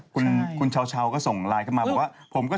คนก็จะฟอลล่อเยอะก็เรียกว่าเน็ตไอดอล